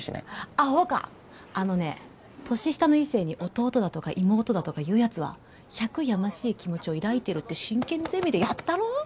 アホかあのね年下の異性に弟だとか妹だとか言うやつは１００やましい気持ちを抱いてるって進研ゼミでやったろ？